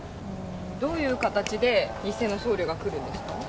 どういう形で偽の僧侶が来るんですか？